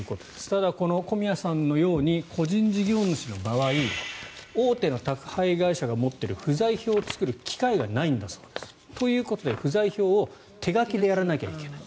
ただ、この小宮さんのように個人事業主の場合大手の宅配会社が持っている不在票を作る機械がないと。ということで不在票を手書きでやらなきゃいけない。